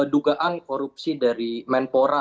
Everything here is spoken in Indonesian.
dugaan korupsi dari menpora